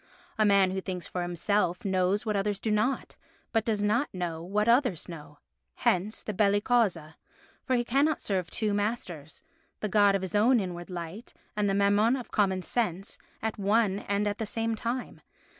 A man who thinks for himself knows what others do not, but does not know what others know. Hence the belli causa, for he cannot serve two masters, the God of his own inward light and the Mammon of common sense, at one and the same time.